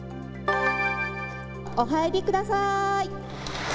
お入りください。